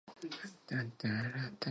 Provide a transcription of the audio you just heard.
Lucia and Maria are twins.